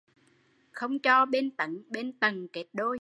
Không cho bên Tấn bên Tần kết đôi